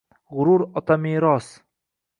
gʼurur otameros